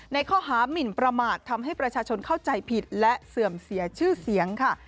ในข้อหามินประมาททำให้ประชาชนเข้าใจผิดและเสื่อมเสียชื่อเสียงค่ะ